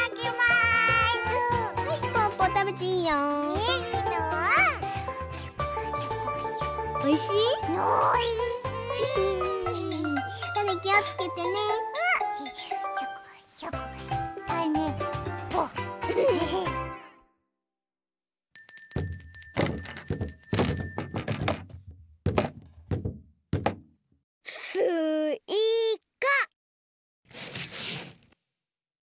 すいか。